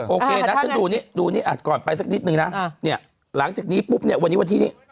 โอเคนะดูนี้ก่อนไปสักนิดนึงนะหลังจากนี้ปุ๊บเนี่ยวันนี้วันที่นี้